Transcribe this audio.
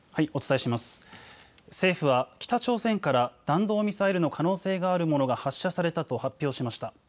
政府は北朝鮮から弾道ミサイルの可能性があるものが発射されたと発表しました。